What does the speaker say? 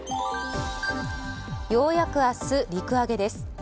ようやく明日、陸揚げです。